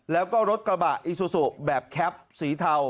แล้วก็รถกระบะอีซูซูแบบแคปสีเทา